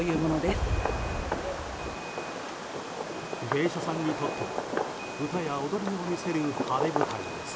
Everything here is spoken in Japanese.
芸者さんにとっては歌や踊りを見せる晴れ舞台です。